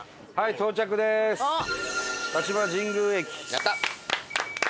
やった！